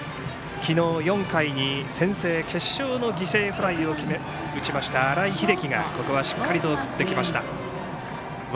昨日、４回に先制決勝の犠牲フライを打ちました新井瑛喜がここはしっかりと送ってきました。